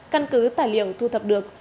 căn cứ tài liệu thu thập được